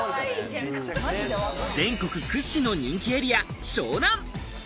全国屈指の人気エリア・湘南。